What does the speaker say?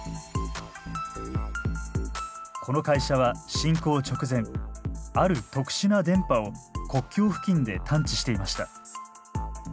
この会社は侵攻直前ある特殊な電波を国境付近で探知していました。